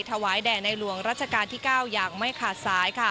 ถวายแด่ในหลวงรัชกาลที่๙อย่างไม่ขาดสายค่ะ